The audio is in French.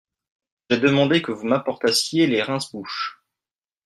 J’ai demandé que vous m’apportassiez les rince-bouche.